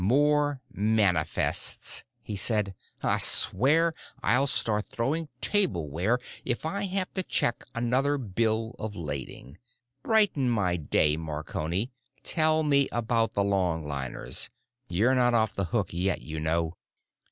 "More manifests," he said. "I swear I'll start throwing tableware if I have to check another bill of lading. Brighten my day, Marconi; tell me about the longliners. You're not off the hook yet, you know."